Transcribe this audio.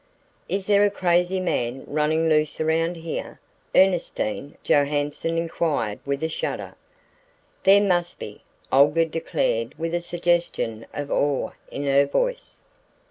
"Is there a crazy man running loose around here?" Ernestine Johanson inquired with a shudder. "There must be," Olga declared with a suggestion of awe in her voice.